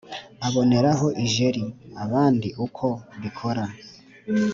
aboneraho ijeri.abandi uko bikora